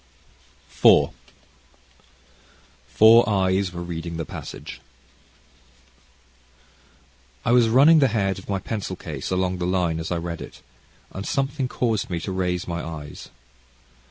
CHAPTER IV Four Eyes Were Reading the Passage I was running the head of my pencil case along the line as I read it, and something caused me to raise my eyes.